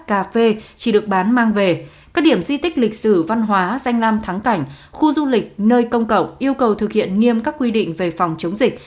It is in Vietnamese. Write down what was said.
cà phê chỉ được bán mang về các điểm di tích lịch sử văn hóa danh lam thắng cảnh khu du lịch nơi công cộng yêu cầu thực hiện nghiêm các quy định về phòng chống dịch